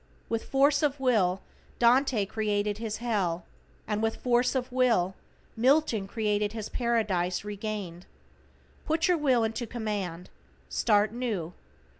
With force of Will Dante created his Hell, and with force of Will Milton created his Paradise Regained. Put your Will into command. Start new.